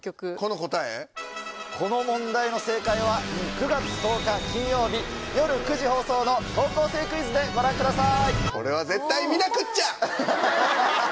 この問題の正解は９月１０日金曜日夜９時放送の『高校生クイズ』でご覧ください。